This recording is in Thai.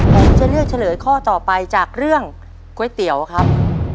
ผมจะเลือกเฉลยข้อต่อไปจากเรื่องก๋วยเตี๋ยวครับ